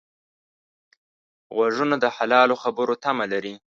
غوږونه د حلالو خبرو تمه لري